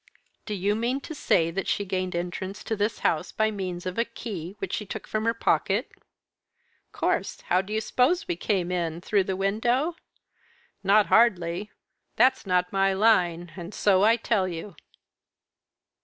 "Do you mean to say that she gained entrance to this house by means of a key which she took from her pocket?" "Course! How do you suppose we came in? through the window? Not hardly, that's not my line, and so I tell you."